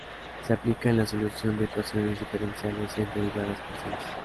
Se aplica en la solución de ecuaciones diferenciales en derivadas parciales.